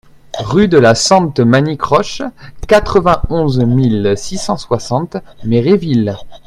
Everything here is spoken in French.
Rue de la Sente Manicroche, quatre-vingt-onze mille six cent soixante Méréville